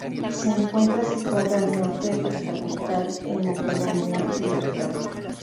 Se encuentra situada al norte departamental, en la pedanía Libertad.